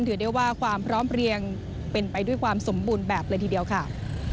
ถือได้ว่าความพร้อมเรียงเป็นไปด้วยความสมบูรณ์แบบเลยทีเดียวค่ะ